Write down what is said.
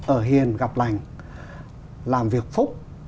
ở hiền gặp lành làm việc phúc